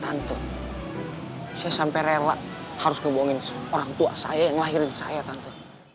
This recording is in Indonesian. tante saya sampai rela harus ngebuangin orang tua saya yang lahirin saya tante